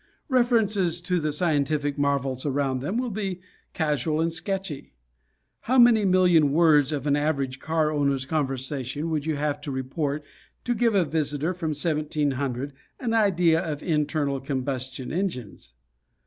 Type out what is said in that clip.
References to the scientific marvels around them will be casual and sketchy. How many million words of an average car owner's conversation would you have to report to give a visitor from 1700 an idea of internal combustion engines?